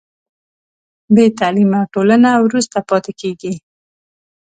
بې تعلیمه ټولنه وروسته پاتې کېږي.